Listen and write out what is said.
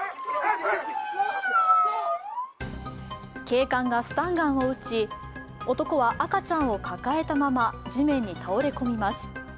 警察がスタンガンを撃ち男は赤ちゃんを抱えたまま地面に倒れ込みます。